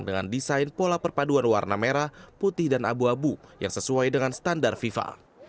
dengan desain pola perpaduan warna merah putih dan abu abu yang sesuai dengan standar fifa